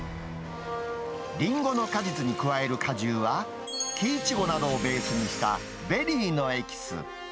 リンゴの果実に加える果汁は、木イチゴなどをベースにしたベリーのエキス。